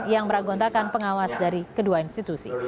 yang meraguntakan pengawas dari kedua institusi